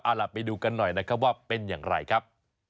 เอาล่ะไปดูกันหน่อยนะครับว่าเป็นอย่างไรครับ